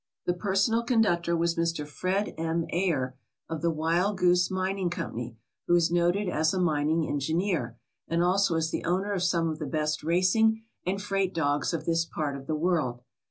The personal conductor was Mr. Fred M. Ayer of the Wild Goose Min ing Company, who is noted as a mining engineer, and also as the owner of some of the best racing and freight dogs of this part of the world.